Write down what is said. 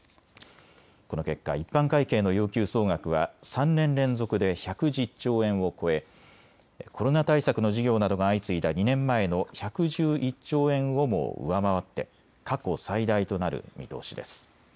この結果、一般会計の要求総額は３年連続で１１０兆円を超えコロナ対策の事業などが相次いだ２年前の１１１兆円をも上回って過去最大となる見通しです。